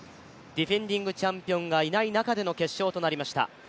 ディフェンディングチャンピオンがいない中での決勝となりました。